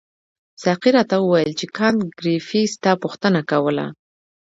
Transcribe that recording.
ساقي راته وویل چې کانت ګریفي ستا پوښتنه کوله.